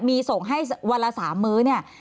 มีส่งให้วันละ๓มื้อเนี่ย